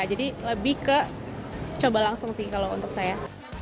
jadi lebih ke coba langsung sih kalau untuk saya